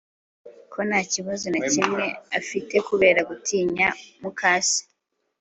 ko ntakibazo na kimwe afite kubera gutinya mukase